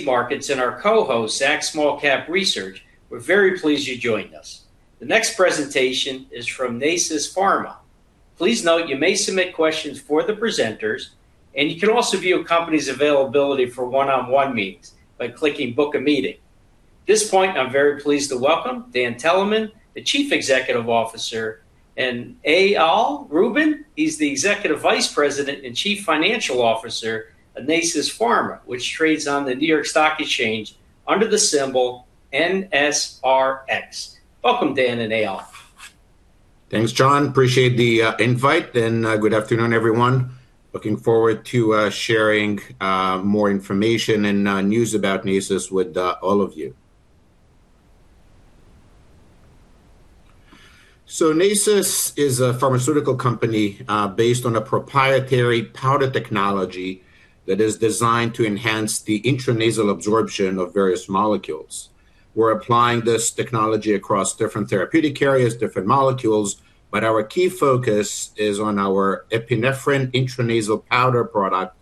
Markets and our co-host, Zacks Small Cap Research. We're very pleased you joined us. The next presentation is from Nasus Pharma. Please note you may submit questions for the presenters, and you can also view a company's availability for one-on-one meetings by clicking Book a Meeting. At this point, I'm very pleased to welcome Dan Teleman, the Chief Executive Officer, and Eyal Rubin. He's the Executive Vice President and Chief Financial Officer of Nasus Pharma, which trades on the New York Stock Exchange under the symbol NSRX. Welcome, Dan and Eyal. Thanks, John. Appreciate the invite, and good afternoon, everyone. Looking forward to sharing more information and news about Nasus with all of you. Nasus is a pharmaceutical company based on a proprietary powder technology that is designed to enhance the intranasal absorption of various molecules. We're applying this technology across different therapeutic areas, different molecules, but our key focus is on our epinephrine intranasal powder product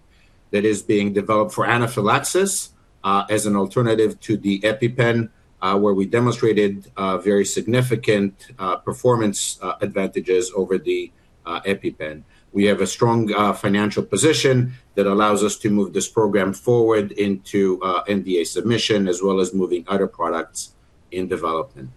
that is being developed for anaphylaxis as an alternative to the EpiPen, where we demonstrated very significant performance advantages over the EpiPen. We have a strong financial position that allows us to move this program forward into NDA submission as well as moving other products in development.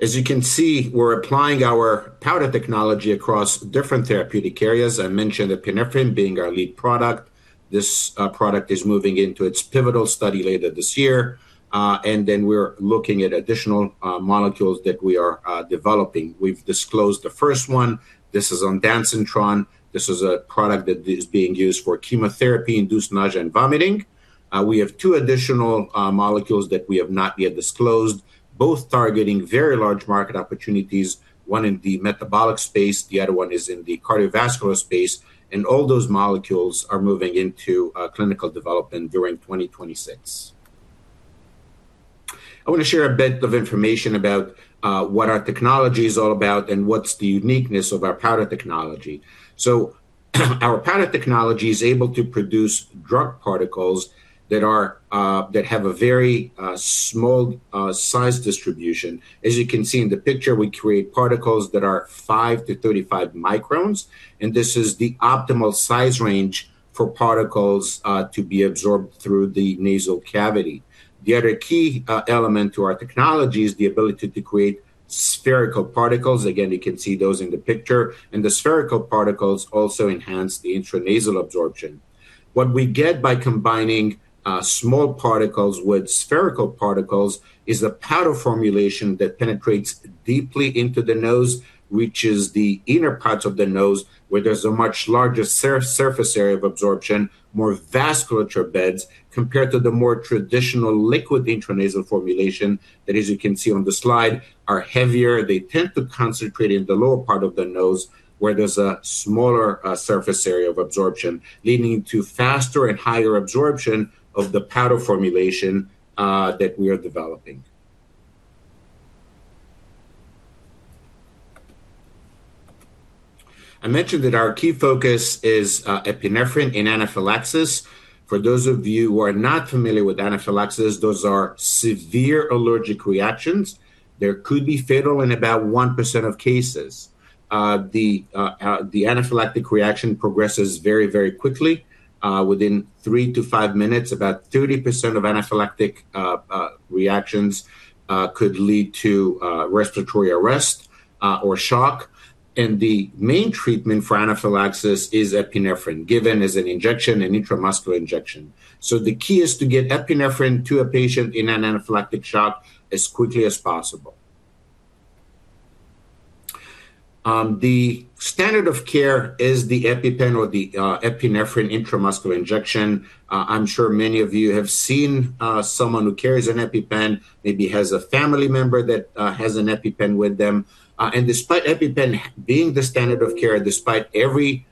As you can see, we're applying our powder technology across different therapeutic areas. I mentioned epinephrine being our lead product. This product is moving into its pivotal study later this year. We're looking at additional molecules that we are developing. We've disclosed the first one. This is ondansetron. This is a product that is being used for chemotherapy-induced nausea and vomiting. We have two additional molecules that we have not yet disclosed, both targeting very large market opportunities, one in the metabolic space, the other one is in the cardiovascular space. All those molecules are moving into clinical development during 2026. I want to share a bit of information about what our technology is all about and what's the uniqueness of our powder technology. Our powder technology is able to produce drug particles that have a very small size distribution. As you can see in the picture, we create particles that are 5-35 microns, and this is the optimal size range for particles to be absorbed through the nasal cavity. The other key element to our technology is the ability to create spherical particles. Again, you can see those in the picture. The spherical particles also enhance the intranasal absorption. What we get by combining small particles with spherical particles is a powder formulation that penetrates deeply into the nose, reaches the inner parts of the nose, where there's a much larger surface area of absorption, more vascular beds, compared to the more traditional liquid intranasal formulation that, as you can see on the slide, are heavier. They tend to concentrate in the lower part of the nose, where there's a smaller surface area of absorption, leading to faster and higher absorption of the powder formulation that we are developing. I mentioned that our key focus is epinephrine in anaphylaxis. For those of you who are not familiar with anaphylaxis, those are severe allergic reactions. They could be fatal in about 1% of cases. The anaphylactic reaction progresses very, very quickly. Within 3-5 minutes, about 30% of anaphylactic reactions could lead to respiratory arrest or shock. The main treatment for anaphylaxis is epinephrine, given as an injection, an intramuscular injection. The key is to get epinephrine to a patient in an anaphylactic shock as quickly as possible. The standard of care is the EpiPen or the epinephrine intramuscular injection. I'm sure many of you have seen someone who carries an EpiPen, maybe has a family member that has an EpiPen with them. Despite EpiPen being the standard of care, despite every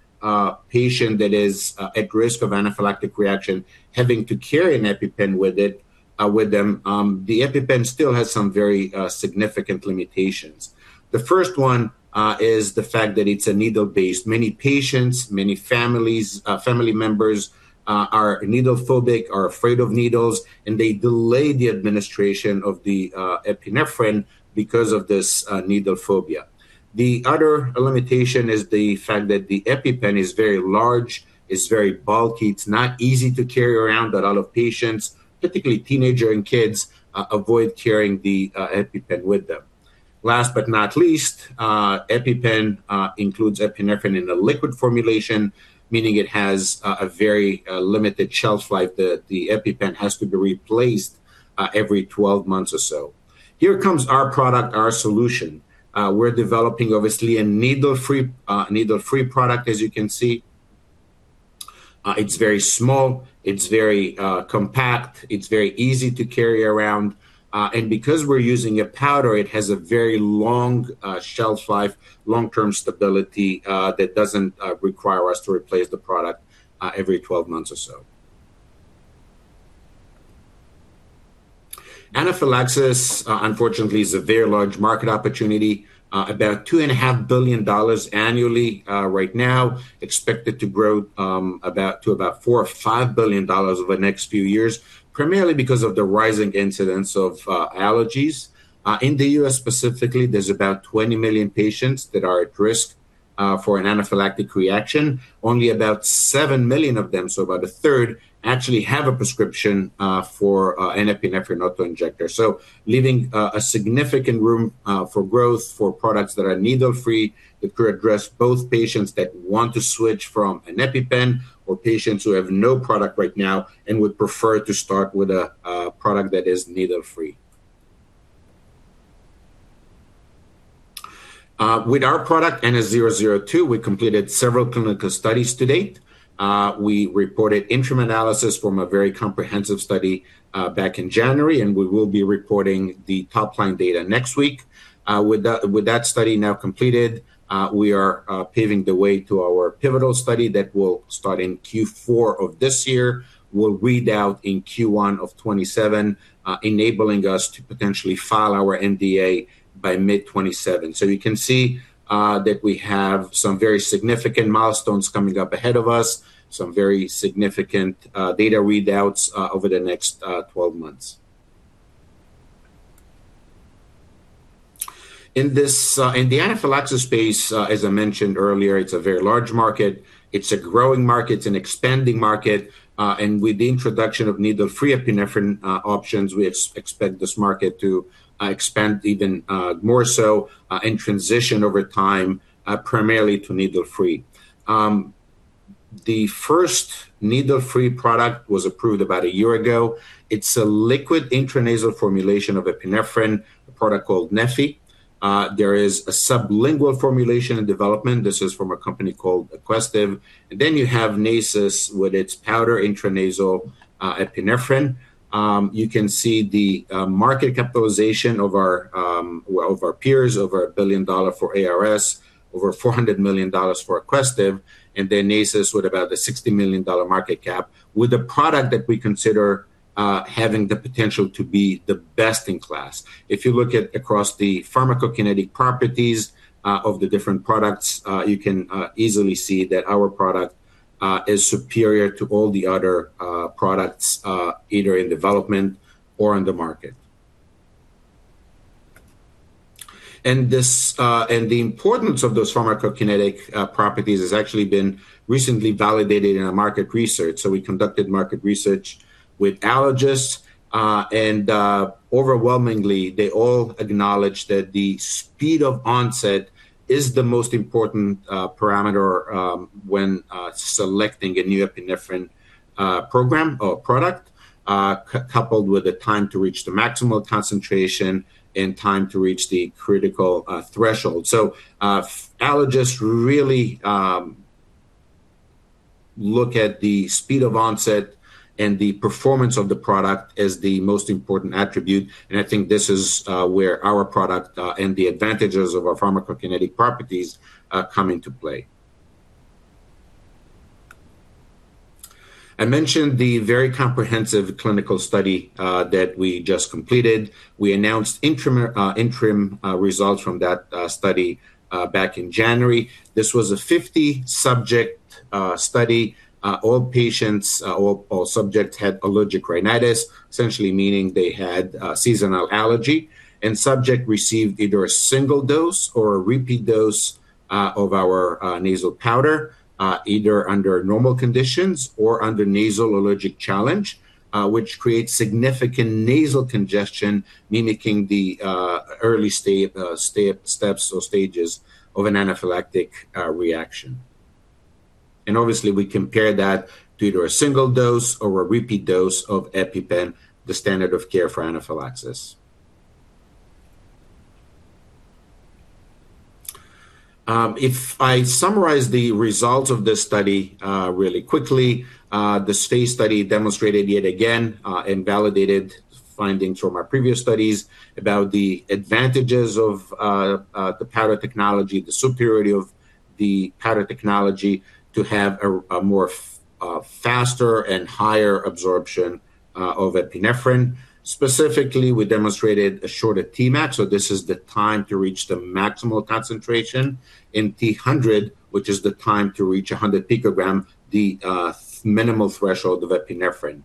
patient that is at risk of anaphylactic reaction having to carry an EpiPen with it, with them, the EpiPen still has some very significant limitations. The first one is the fact that it's needle-based. Many patients, many families, family members are needle-phobic, are afraid of needles, and they delay the administration of the epinephrine because of this needle phobia. The other limitation is the fact that the EpiPen is very large. It's very bulky. It's not easy to carry around, and a lot of patients, particularly teenager and kids, avoid carrying the EpiPen with them. Last but not least, EpiPen includes epinephrine in a liquid formulation, meaning it has a very limited shelf life. The EpiPen has to be replaced every 12 months or so. Here comes our product, our solution. We're developing obviously a needle-free product, as you can see. It's very small. It's very compact. It's very easy to carry around. Because we're using a powder, it has a very long shelf life, long-term stability that doesn't require us to replace the product every 12 months or so. Anaphylaxis unfortunately is a very large market opportunity about $2.5 billion annually right now, expected to grow to about $4-$5 billion over the next few years, primarily because of the rising incidence of allergies. In the U.S. specifically, there's about 20 million patients that are at risk for an anaphylactic reaction. Only about 7 million of them, so about a third, actually have a prescription for an epinephrine auto-injector. Leaving a significant room for growth for products that are needle-free that could address both patients that want to switch from an EpiPen or patients who have no product right now and would prefer to start with a product that is needle-free. With our product, NS002, we completed several clinical studies to date. We reported interim analysis from a very comprehensive study back in January, and we will be reporting the top-line data next week. With that study now completed, we are paving the way to our pivotal study that will start in Q4 of this year. We'll read out in Q1 of 2027, enabling us to potentially file our NDA by mid 2027. You can see that we have some very significant milestones coming up ahead of us, some very significant data readouts over the next 12 months. In the anaphylaxis space, as I mentioned earlier, it's a very large market. It's a growing market, it's an expanding market, and with the introduction of needle-free epinephrine options, we expect this market to expand even more so and transition over time primarily to needle-free. The first needle-free product was approved about a year ago. It's a liquid intranasal formulation of epinephrine, a product called Neffy. There is a sublingual formulation in development. This is from a company called Aquestive. You have Nasus with its powder intranasal epinephrine. You can see the market capitalization of our well, of our peers, over $1 billion for ARS Pharmaceuticals, over $400 million for Aquestive, and then Nasus with about a $60 million market cap. With a product that we consider having the potential to be the best in class. If you look across the pharmacokinetic properties of the different products, you can easily see that our product is superior to all the other products either in development or on the market. This, and the importance of those pharmacokinetic properties has actually been recently validated in our market research. We conducted market research with allergists, and overwhelmingly, they all acknowledge that the speed of onset is the most important parameter, when selecting a new epinephrine program or product, coupled with the time to reach the maximal concentration and time to reach the critical threshold. Allergists really look at the speed of onset and the performance of the product as the most important attribute, and I think this is where our product and the advantages of our pharmacokinetic properties come into play. I mentioned the very comprehensive clinical study that we just completed. We announced interim results from that study back in January. This was a 50-subject study. All patients or subjects had allergic rhinitis, essentially meaning they had seasonal allergy. Subjects received either a single dose or a repeat dose of our nasal powder either under normal conditions or under nasal allergen challenge, which creates significant nasal congestion mimicking the early steps or stages of an anaphylactic reaction. Obviously, we compare that to either a single dose or a repeat dose of EpiPen, the standard of care for anaphylaxis. If I summarize the results of this study really quickly, this phase study demonstrated yet again and validated findings from our previous studies about the advantages of the powder technology, the superiority of the powder technology to have a more faster and higher absorption of epinephrine. Specifically, we demonstrated a shorter Tmax, so this is the time to reach the maximal concentration, and T100, which is the time to reach 100 picogram, the minimal threshold of epinephrine.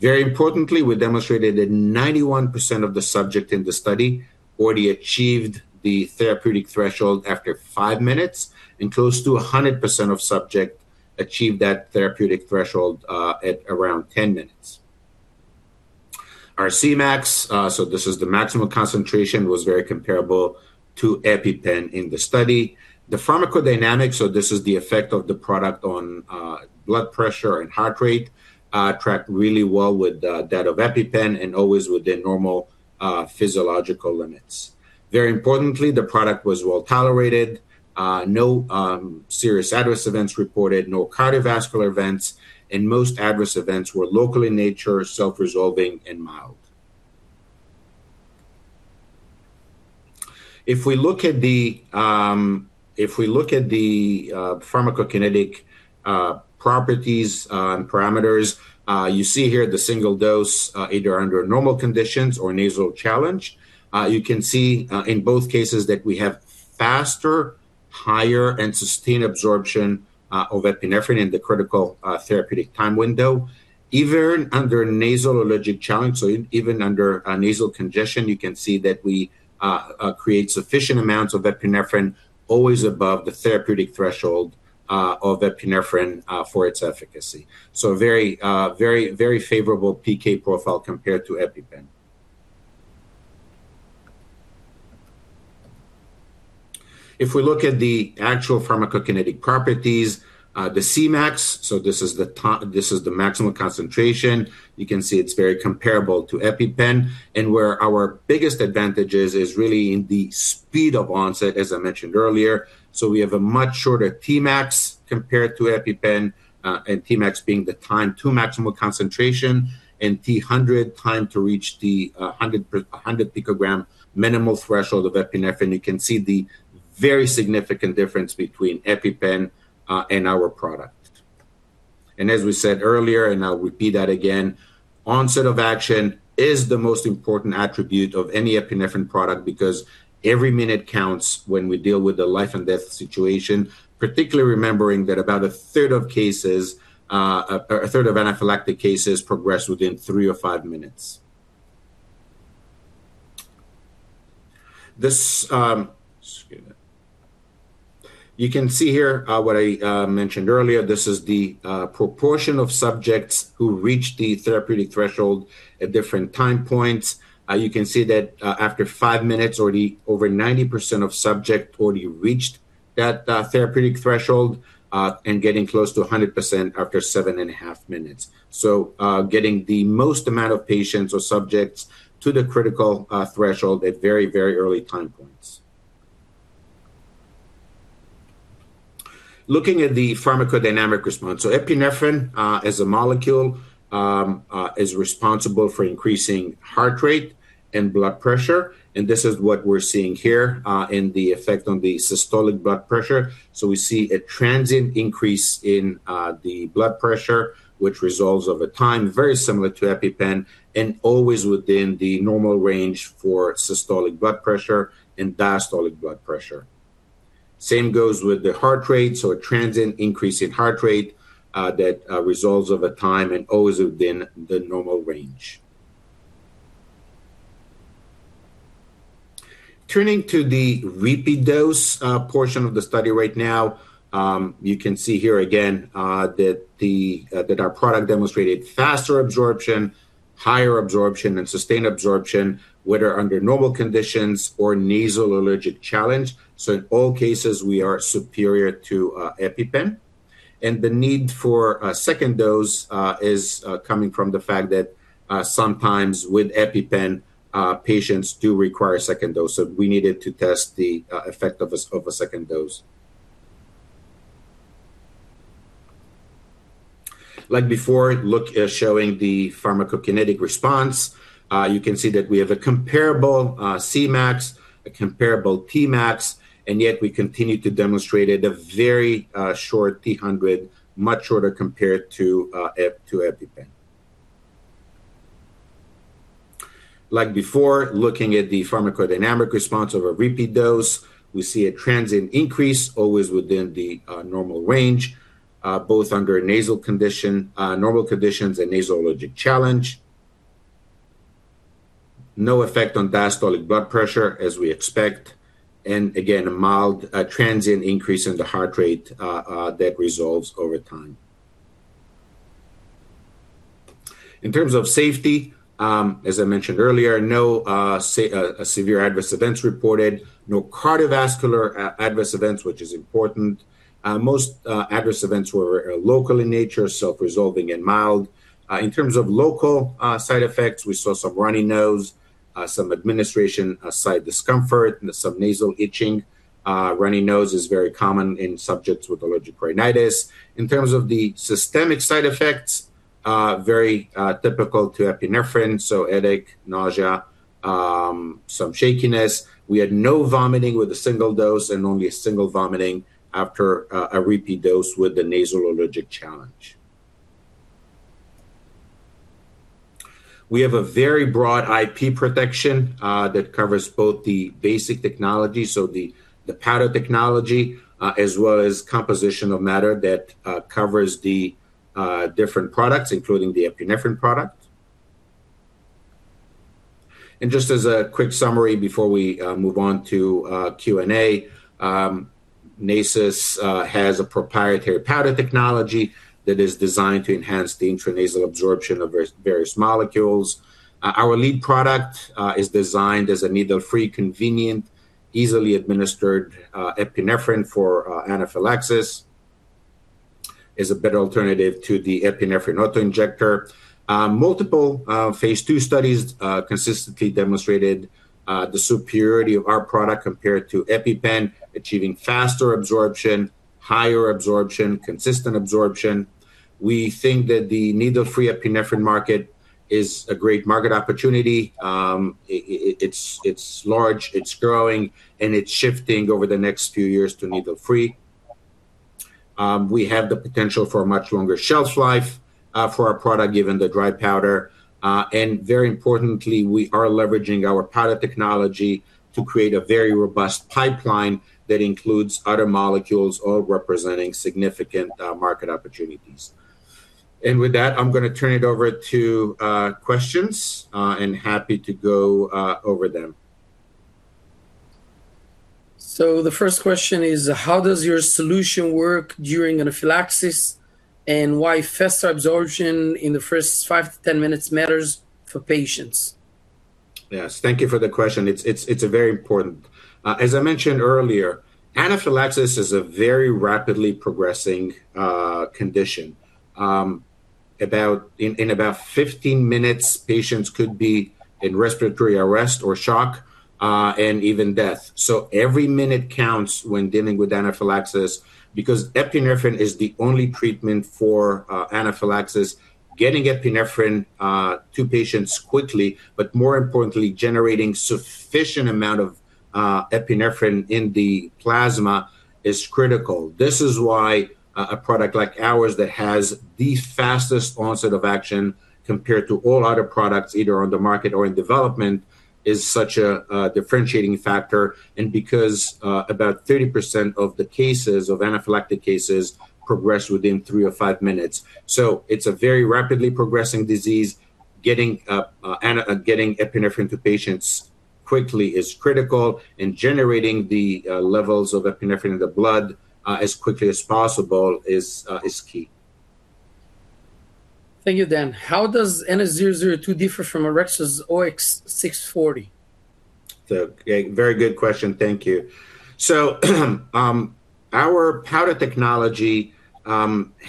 Very importantly, we demonstrated that 91% of the subjects in the study already achieved the therapeutic threshold after 5 minutes, and close to 100% of subjects achieved that therapeutic threshold at around 10 minutes. Our Cmax, so this is the maximum concentration, was very comparable to EpiPen in the study. The pharmacodynamics, so this is the effect of the product on blood pressure and heart rate, tracked really well with that of EpiPen and always within normal physiological limits. Very importantly, the product was well-tolerated, no serious adverse events reported, no cardiovascular events, and most adverse events were local in nature, self-resolving, and mild. If we look at the pharmacokinetic properties and parameters, you see here the single dose, either under normal conditions or nasal challenge. You can see in both cases that we have faster, higher, and sustained absorption of epinephrine in the critical therapeutic time window, even under nasal allergic challenge. Even under a nasal congestion, you can see that we create sufficient amounts of epinephrine always above the therapeutic threshold of epinephrine for its efficacy. Very favorable PK profile compared to EpiPen. If we look at the actual pharmacokinetic properties, the Cmax, this is the maximum concentration. You can see it's very comparable to EpiPen. Where our biggest advantage is really in the speed of onset, as I mentioned earlier. We have a much shorter Tmax compared to EpiPen, and Tmax being the time to maximal concentration, and T100 time to reach the 100 picogram minimal threshold of epinephrine. You can see the very significant difference between EpiPen and our product. As we said earlier, I'll repeat that again, onset of action is the most important attribute of any epinephrine product because every minute counts when we deal with a life and death situation, particularly remembering that about a third of cases, a third of anaphylactic cases progress within 3 or 5 minutes. Excuse me. You can see here what I mentioned earlier. This is the proportion of subjects who reached the therapeutic threshold at different time points. You can see that after 5 minutes, already over 90% of subject already reached that therapeutic threshold, and getting close to 100% after 7.5 minutes. Getting the most amount of patients or subjects to the critical threshold at very, very early time points. Looking at the pharmacodynamic response. Epinephrine as a molecule is responsible for increasing heart rate and blood pressure, and this is what we're seeing here in the effect on the systolic blood pressure. We see a transient increase in the blood pressure, which resolves over time, very similar to EpiPen, and always within the normal range for systolic blood pressure and diastolic blood pressure. Same goes with the heart rate, a transient increase in heart rate that resolves over time and always within the normal range. Turning to the repeat dose portion of the study right now, you can see here again that our product demonstrated faster absorption, higher absorption, and sustained absorption, whether under normal conditions or nasal allergen challenge. In all cases, we are superior to EpiPen. The need for a second dose is coming from the fact that sometimes with EpiPen, patients do require a second dose. We needed to test the effect of a second dose. Like before, look at showing the pharmacokinetic response. You can see that we have a comparable Cmax, a comparable Tmax, and yet we continue to demonstrate at a very short T100, much shorter compared to EpiPen. Like before, looking at the pharmacodynamic response of a repeat dose, we see a transient increase always within the normal range, both under normal conditions and nasal allergen challenge. No effect on diastolic blood pressure as we expect. Again, a mild transient increase in the heart rate that resolves over time. In terms of safety, as I mentioned earlier, no severe adverse events reported, no cardiovascular adverse events, which is important. Most adverse events were local in nature, self-resolving, and mild. In terms of local side effects, we saw some runny nose, some administration site discomfort, and some nasal itching. Runny nose is very common in subjects with allergic rhinitis. In terms of the systemic side effects, very typical to epinephrine, so headache, nausea, some shakiness. We had no vomiting with a single dose and only a single vomiting after a repeat dose with the nasal allergen challenge. We have a very broad IP protection that covers both the basic technology, so the powder technology, as well as composition of matter that covers the different products, including the epinephrine product. Just as a quick summary before we move on to Q&A, Nasus has a proprietary powder technology that is designed to enhance the intranasal absorption of various molecules. Our lead product is designed as a needle-free, convenient, easily administered epinephrine for anaphylaxis, is a better alternative to the epinephrine autoinjector. Multiple phase 2 studies consistently demonstrated the superiority of our product compared to EpiPen, achieving faster absorption, higher absorption, consistent absorption. We think that the needle-free epinephrine market is a great market opportunity. It is large, it's growing, and it's shifting over the next few years to needle-free. We have the potential for a much longer shelf life for our product, given the dry powder. Very importantly, we are leveraging our powder technology to create a very robust pipeline that includes other molecules all representing significant market opportunities. With that, I'm gonna turn it over to questions. Happy to go over them. The first question is, how does your solution work during anaphylaxis, and why fast absorption in the first 5-10 minutes matters for patients? Yes. Thank you for the question. It's a very important. As I mentioned earlier, anaphylaxis is a very rapidly progressing condition. About 15 minutes, patients could be in respiratory arrest or shock and even death. Every minute counts when dealing with anaphylaxis because epinephrine is the only treatment for anaphylaxis. Getting epinephrine to patients quickly, but more importantly, generating sufficient amount of epinephrine in the plasma is critical. This is why a product like ours that has the fastest onset of action compared to all other products, either on the market or in development, is such a differentiating factor and because about 30% of the cases of anaphylaxis progress within 3 or 5 minutes. It's a very rapidly progressing disease. Getting epinephrine to patients quickly is critical, and generating the levels of epinephrine in the blood as quickly as possible is key. Thank you, Dan. How does NS002 differ from Orexo's OX640? A very good question. Thank you. Our powder technology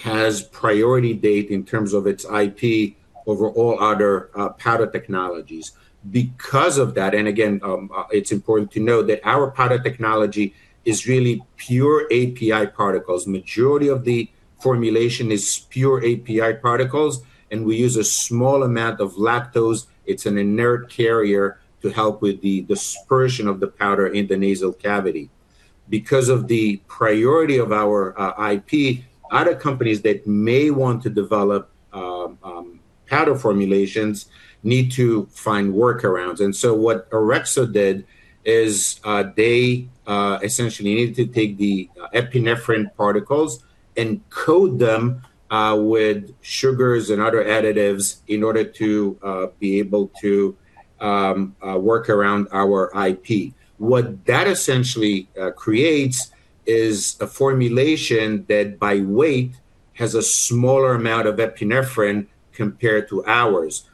has priority date in terms of its IP over all other powder technologies. Because of that, and again, it's important to know that our powder technology is really pure API particles. Majority of the formulation is pure API particles, and we use a small amount of lactose, it's an inert carrier, to help with the dispersion of the powder in the nasal cavity. Because of the priority of our IP, other companies that may want to develop powder formulations need to find workarounds. What Orexo did is, they essentially needed to take the epinephrine particles and coat them with sugars and other additives in order to be able to work around our IP. What that essentially creates is a formulation that by weight has a smaller amount of epinephrine compared to ours.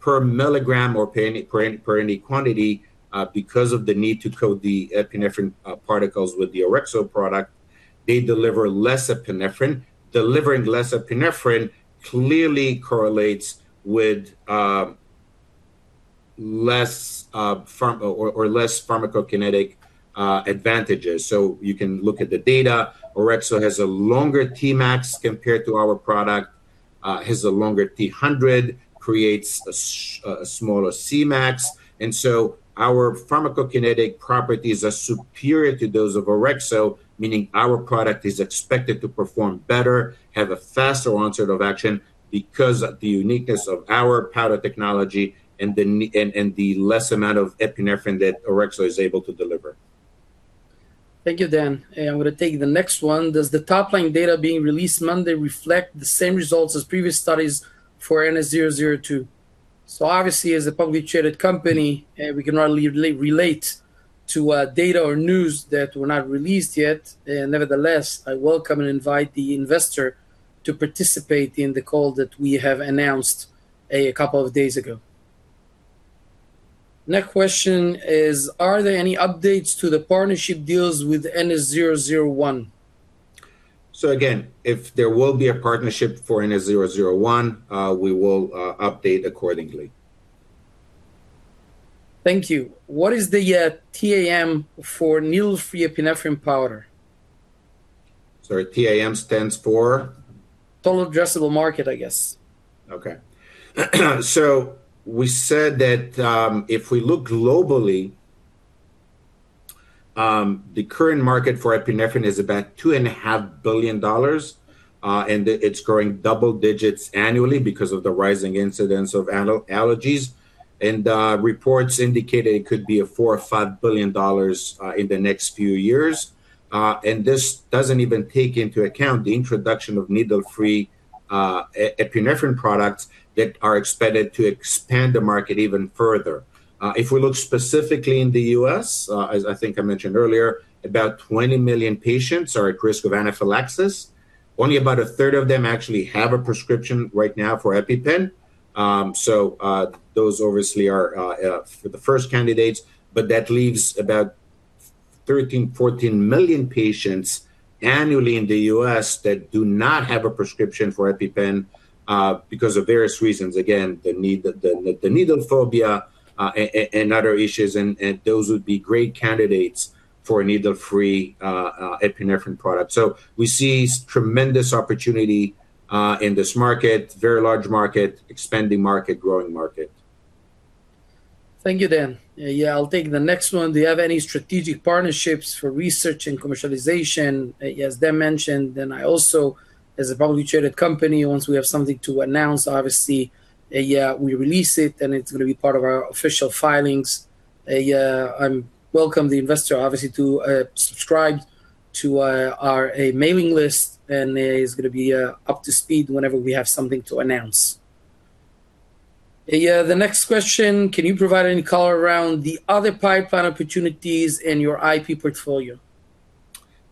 Per milligram or per any quantity, because of the need to coat the epinephrine particles with the Orexo product, they deliver less epinephrine. Delivering less epinephrine clearly correlates with less pharmacokinetic advantages. You can look at the data. Orexo has a longer Tmax compared to our product, has a longer T100, creates a smaller Cmax. Our pharmacokinetic properties are superior to those of Orexo, meaning our product is expected to perform better, have a faster onset of action because of the uniqueness of our powder technology and the less amount of epinephrine that Orexo is able to deliver. Thank you, Dan. I'm gonna take the next one. Does the top-line data being released Monday reflect the same results as previous studies for NS002? Obviously, as a publicly traded company, we cannot relate to data or news that were not released yet. Nevertheless, I welcome and invite the investor to participate in the call that we have announced a couple of days ago. Next question is, are there any updates to the partnership deals with NS001? the current market for epinephrine is about $2.5 billion, and it's growing double digits annually because of the rising incidence of allergies. Reports indicate it could be a $4-$5 billion in the next few years. This doesn't even take into account the introduction of needle-free epinephrine products that are expected to expand the market even further. If we look specifically in the U.S., as I think I mentioned earlier, about 20 million patients are at risk of anaphylaxis. Only about a third of them actually have a prescription right now for EpiPen. Those obviously are the first candidates, but that leaves about 13-14 million patients annually in the U.S. that do not have a prescription for EpiPen because of various reasons. Again, the need, the needle phobia and other issues and those would be great candidates for a needle-free epinephrine product. We see tremendous opportunity in this market, very large market, expanding market, growing market. Thank you, Dan. Yeah, I'll take the next one. Do you have any strategic partnerships for research and commercialization? As Dan mentioned, and I also, as a publicly traded company, once we have something to announce, obviously, we release it, and it's gonna be part of our official filings. I welcome the investor obviously to subscribe to our mailing list, and he's gonna be up to speed whenever we have something to announce. The next question, can you provide any color around the other pipeline opportunities in your IP portfolio?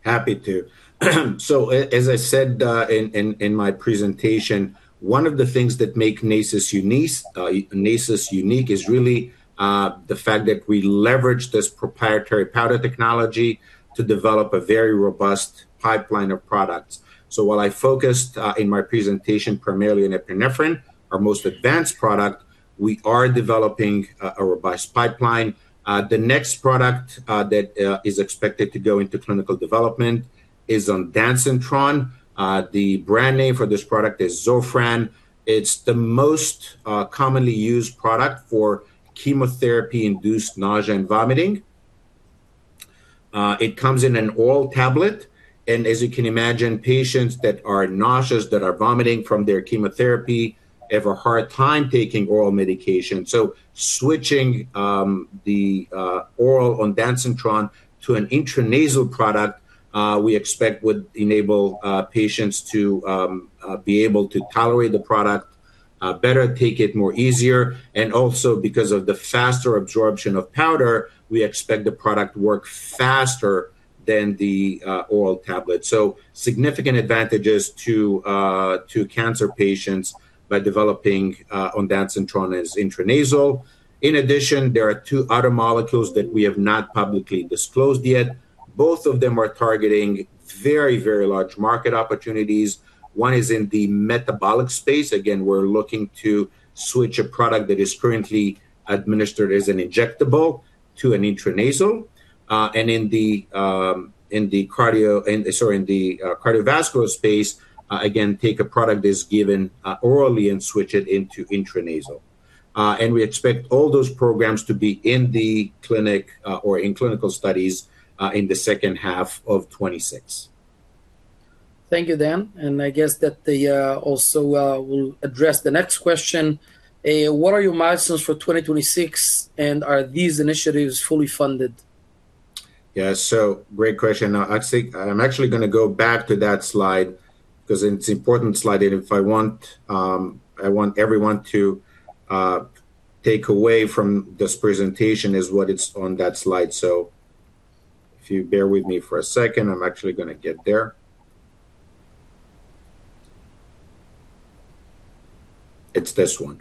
Happy to. As I said, in my presentation, one of the things that make Nasus unique is really the fact that we leverage this proprietary powder technology to develop a very robust pipeline of products. While I focused in my presentation primarily on epinephrine, our most advanced product, we are developing a revised pipeline. The next product that is expected to go into clinical development is ondansetron. The brand name for this product is Zofran. It's the most commonly used product for chemotherapy-induced nausea and vomiting. It comes in an oral tablet, and as you can imagine, patients that are nauseous, that are vomiting from their chemotherapy have a hard time taking oral medication. Switching the oral ondansetron to an intranasal product, we expect would enable patients to be able to tolerate the product better, take it more easier and also because of the faster absorption of powder, we expect the product to work faster than the oral tablet. Significant advantages to cancer patients by developing ondansetron as intranasal. In addition, there are two other molecules that we have not publicly disclosed yet. Both of them are targeting very, very large market opportunities. One is in the metabolic space. Again, we're looking to switch a product that is currently administered as an injectable to an intranasal, and in the cardiovascular space, again, take a product that's given orally and switch it into intranasal. We expect all those programs to be in the clinic or in clinical studies in the second half of 2026. Thank you, Dan, and we'll address the next question. What are your milestones for 2026, and are these initiatives fully funded? Yeah. Great question. Actually, I'm actually gonna go back to that slide 'cause it's important slide, and I want everyone to take away from this presentation is what is on that slide. If you bear with me for a second, I'm actually gonna get there. It's this one.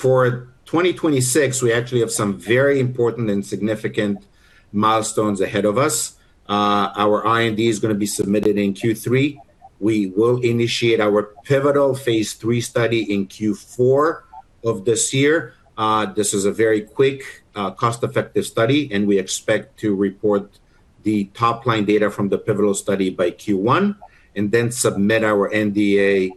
For 2026, we actually have some very important and significant milestones ahead of us. Our IND is gonna be submitted in Q3. We will initiate our pivotal phase 3 study in Q4 of this year. This is a very quick, cost-effective study, and we expect to report the top-line data from the pivotal study by Q1 and then submit our NDA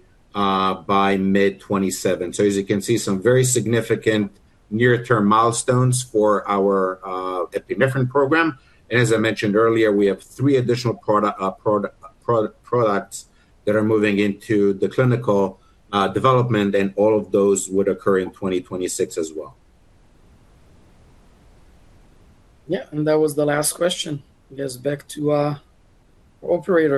by mid-2027. As you can see, some very significant near-term milestones for our epinephrine program. As I mentioned earlier, we have three additional products that are moving into the clinical development, and all of those would occur in 2026 as well. Yeah, that was the last question. I guess back to our operator.